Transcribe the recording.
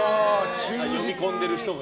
読み込んでる人が。